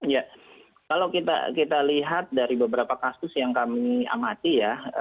ya kalau kita lihat dari beberapa kasus yang kami amati ya